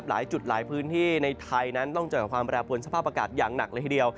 หลายจุดหลายพื้นที่ในไทยนั้นต้องเจอกับความแปรปวนสภาพอากาศอย่างหนักเลยทีเดียว